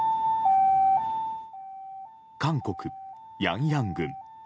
韓国・ヤンヤン郡。